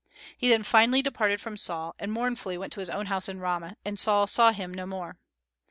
He then finally departed from Saul, and mournfully went to his own house in Ramah, and Saul saw him no more.